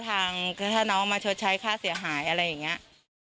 ทางถ้าน้องมาชดใช้ค่าเสียหายอะไรอย่างนี้